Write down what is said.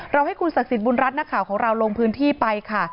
ให้คุณศักดิ์สิทธิบุญรัฐนักข่าวของเราลงพื้นที่ไปค่ะ